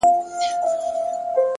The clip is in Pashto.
پوه انسان د غرور بندي نه وي!